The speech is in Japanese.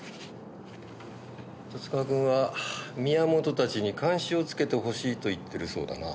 十津川君は宮本たちに監視をつけてほしいと言ってるそうだな。